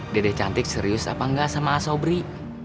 dede cantik serius apa enggak sama a sobri